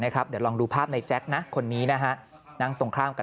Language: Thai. นะครับเดี๋ยวลองดูภาพในแจ็คนะคนนี้นะฮะนั่งตรงข้างกับ